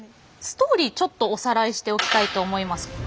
ストーリーちょっとおさらいしておきたいと思います。